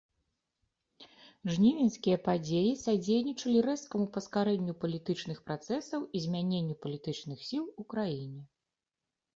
Жнівеньскія падзеі садзейнічалі рэзкаму паскарэнню палітычных працэсаў і змяненню палітычных сіл у краіне.